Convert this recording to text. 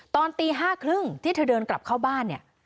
ตอนตี๕๓๐ที่เธอเดินกลับเข้าบ้านเนี่ย